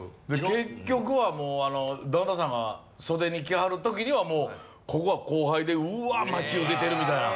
結局はダウンタウンさんが袖に来はる時にはここは後輩でうわ待ち受けてるみたいな。